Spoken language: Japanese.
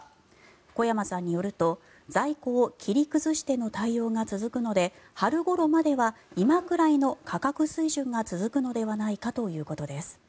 小山さんによると在庫を切り崩しての対応が続くので春ごろまでは今くらいの価格水準が続くのではないかということです。